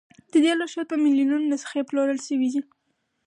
د دې لارښود په میلیونونو نسخې پلورل شوي دي.